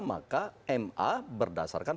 maka ma berdasarkan